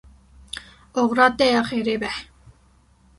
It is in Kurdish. Oxira te ya xêrê be.